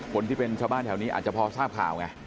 คนที่เป็นชาวบ้านแถวนี้อาจจะพอทราบข่าวไง